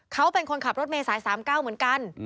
เขาเป็นคนขับรถเมษาย๓๙เหมือนกัน